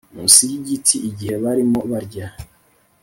munsi y igiti igihe barimo barya